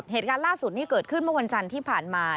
เหตุการณ์ล่าสุดนี้เกิดขึ้นเมื่อวันจันทร์ที่ผ่านมา